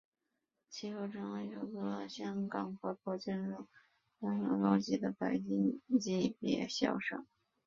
其后成为首座获得香港环保建筑协会颁发最高级的白金级别校舍。